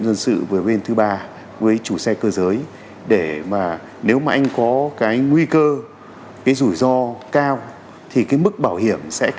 dân sự với bên thứ ba với chủ xe cơ giới để mà nếu mà anh có cái nguy cơ cái rủi ro cao thì cái mức